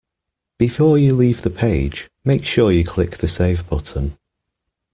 Before you leave the page, make sure you click the save button